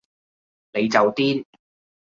你就癲